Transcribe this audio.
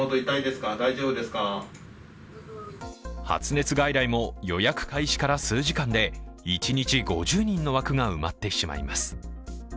発熱外来も予約開始から数時間で一日５０人の枠が埋まってしまいます。